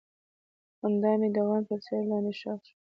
خندا مې د غم تر سیوري لاندې ښخ شوه.